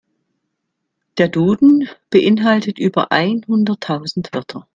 Der Duden beeinhaltet über einhunderttausend Wörter.